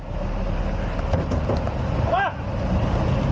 ตำรวจต้องไล่ตามกว่าจะรองรับเหตุได้